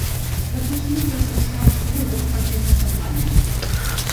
La qüestió és refrescar els corredors perquè no s'aplanin.